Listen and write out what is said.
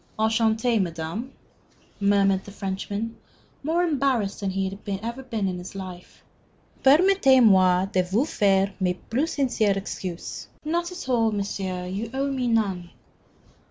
"Enchanté, madame," murmured the Frenchman, more embarrassed than he had ever been in his life. "Permettez moi de vous faire mes plus sincères excuses." "Not at all, monsieur, you owe me none."